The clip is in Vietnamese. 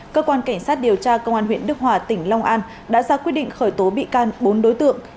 cơ quan cảnh sát điều tra công an huyện đức hòa tỉnh long an đã ra quyết định khởi tố bị can bốn đối tượng